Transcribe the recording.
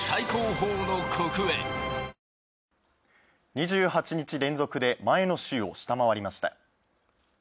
２８日連続で前の週を下回りました。